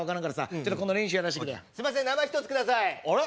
ちょっとこの練習やらせてくれやすいません生１つくださいあれ？